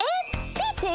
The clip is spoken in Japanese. ピーチー？